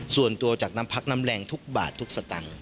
ส่วนตัวจากน้ำพักน้ำแรงทุกบาททุกสตางค์